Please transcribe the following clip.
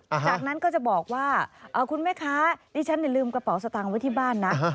จากนั้นก็จะบอกว่าคุณแม่ค้าดิฉันลืมกระเป๋าสตางค์ไว้ที่บ้านนะ